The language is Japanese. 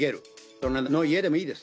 隣の家でもいいです。